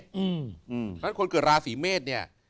เพราะฉะนั้นคนเกิดราศีเมษเนี่ย